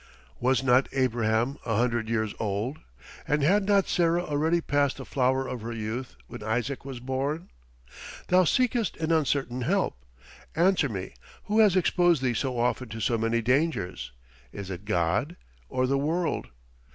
Was not Abraham a hundred years old, and had not Sarah already passed the flower of her youth when Isaac was born? Thou seekest an uncertain help. Answer me: who has exposed thee so often to so many dangers? Is it God, or the world?